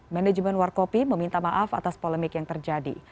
manajemen warkopi meminta maaf atas polemik yang terjadi